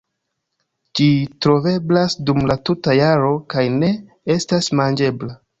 Ĝi troveblas dum la tuta jaro kaj ne estas manĝebla.